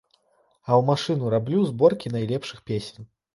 А ў машыну раблю зборкі найлепшых песень.